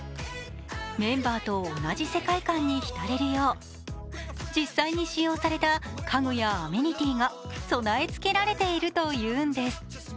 メンバーと同じ世界観に浸れるよう実際に使用された家具やアメニティーが備えつけられているというんです。